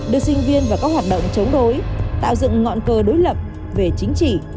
đưa sinh viên vào các hoạt động chống đối tạo dựng ngọn cờ đối lập về chính trị